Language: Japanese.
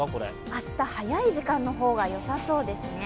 明日早い時間の方がよさそうですね。